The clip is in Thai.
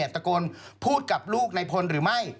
ตะโกนพูดกับลูกนายพนธ์หรือไม่